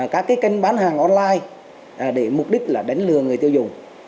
các kênh bán hàng online để mục đích là đánh lừa người tiêu dùng